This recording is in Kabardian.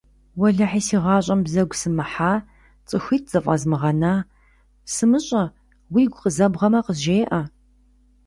Уэлэхьи, си гъащӏэм бзэгу сымыхьа, цӏыхуитӏ зэфӏэзмыгъэна, сымыщӏэ, уигу къызэбгъэмэ, къызжеӏэ.